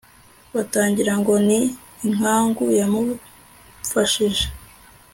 batagira ngo ni inkangu yamumfashije